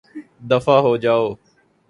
دفعہ ہو جائو